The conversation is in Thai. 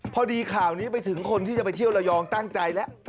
พอดีข่าวนี้ไปถึงคนที่จะไปเที่ยวระยองตั้งใจแล้ว